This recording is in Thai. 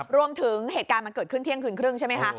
เหตุการณ์มันเกิดขึ้นเที่ยงคืนครึ่งใช่ไหมคะ